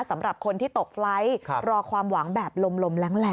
สำหรับคนที่ตกไฟล์รอความหวังแบบลมแรง